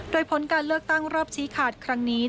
โดยผลการเลือกตั้งรอบชี้ขาดครั้งนี้